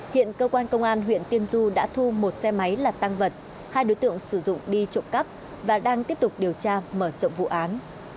hiện cơ quan công an huyện tiên du đã thu một xe máy là tăng vật hai đối tượng sử dụng đi trộm cắp và đang tiếp tục điều tra mở rộng vụ án